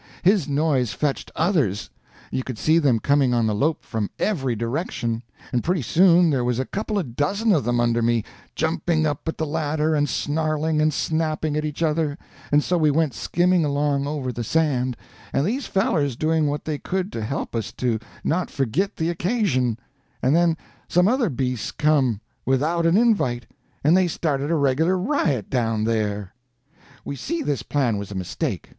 His noise fetched others. You could see them coming on the lope from every direction, and pretty soon there was a couple of dozen of them under me, jumping up at the ladder and snarling and snapping at each other; and so we went skimming along over the sand, and these fellers doing what they could to help us to not forgit the occasion; and then some other beasts come, without an invite, and they started a regular riot down there. We see this plan was a mistake.